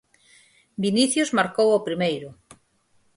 Vinicius marcou o primeiro.